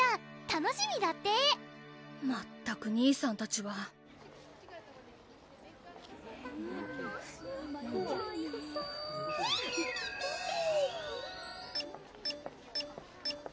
楽しみだってまったく兄さんたちはピピピピー！